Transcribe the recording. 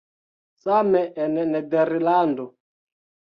Same en Nederlando.